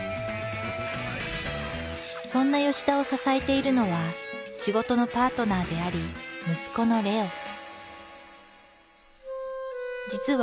そんな田を支えているのは仕事のパートナーであり息子の玲雄。